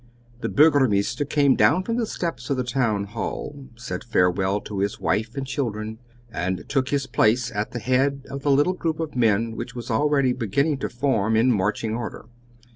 The Burgomeister came down from the steps of the town hall, said farewell to his wife and children, and took his place at the head of the little group of men which was already beginning form in marching order.